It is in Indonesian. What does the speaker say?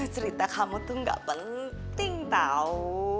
cerita kamu tuh gak penting tahu